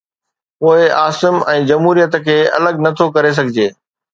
پوءِ عاصم ۽ جمهوريت کي الڳ ڇو نٿو ڪري سگهجي؟